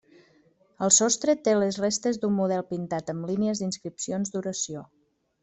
El sostre té les restes d'un model pintat amb línies d'inscripcions d'oració.